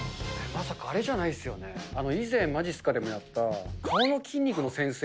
まさかあれじゃないですよね、以前、まじっすかでもやった、顔の筋肉の先生。